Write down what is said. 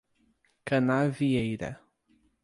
Canavieira